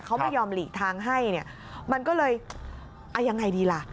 เขาไม่ยอมหลีกทางให้มันก็เลยอย่างไรดีล่ะ